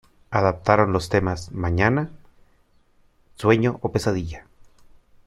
Adaptaron los temas "Mañana", "Sueño o pesadilla".